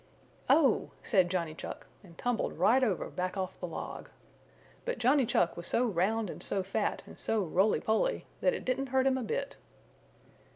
"Oh!" said Johnny Chuck, and tumbled right over back off the log. But Johnny Chuck was so round and so fat and so roly poly that it didn't hurt him a bit.